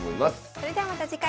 それではまた次回。